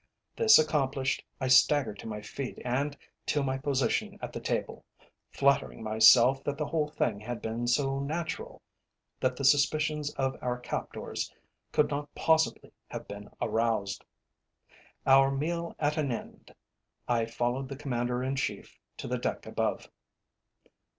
This accomplished, I staggered to my feet and to my position at the table, flattering myself that the whole thing had been so natural that the suspicions of our captors could not possibly have been aroused. Our meal at an end, I followed the Commander in Chief to the deck above.